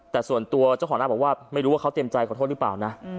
แต่ส่วนตัวเจ้าของหน้าบอกว่าไม่รู้ว่าเขาเตรียมใจขอโทษหรือเปล่านะ